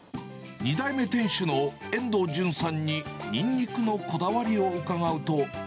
２代目店主の遠藤純さんにニンニクのこだわりを伺うと。